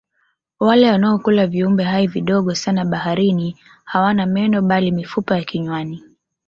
wale wanaokula viumbe hai vidogo sana baharini hawana meno bali mifupa ya kinywani